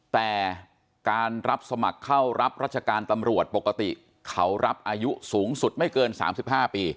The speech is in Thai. แต่การรับสมัครเข้ารับราชการตำรวจปกติเขารับอายุสูงสุดไม่เกิน๓๕ปี